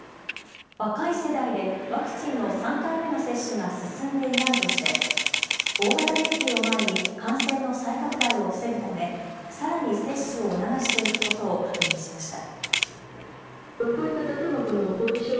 若い世代でワクチンの３回目の接種が進んでいないとして大型連休を前に感染の再拡大を防ぐためさらに接種を促していくことを確認しました。